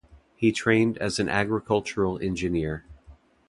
He trained as an agricultural engineer.